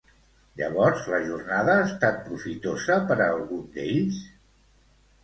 Llavors, la jornada ha estat profitosa per a algun d'ells?